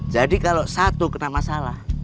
jadi kalau satu kena masalah